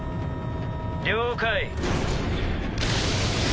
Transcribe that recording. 了解。